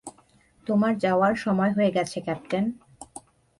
তোমার যাওয়ার সময় হয়ে গেছে, ক্যাপ্টেন।